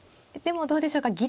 でもどうでしょうか。